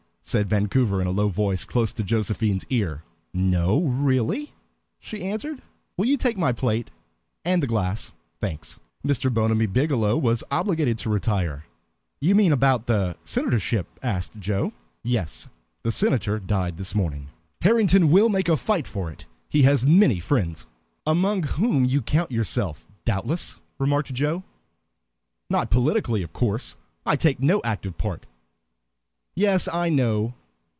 said Vancouver in a low voice close to Josephine's ear. "No, really," she answered. "Will you take my plate? And the glass thanks." Mr. Bonamy Biggielow was obliged to retire. "You mean about the senatorship?" asked Joe. "Yes. The senator died this morning. Harrington will make a fight for it. He has many friends." "Among whom you count yourself, doubtless," remarked Joe. "Not politically, of course. I take no active part" "Yes, I know."